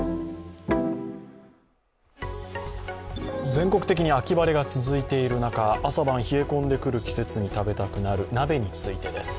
全国的に秋晴れが続いている中、朝晩冷え込んでくる季節に食べたくなる鍋についてです。